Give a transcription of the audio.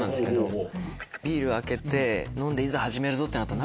ビール開けて飲んでいざ始めるぞってなったら。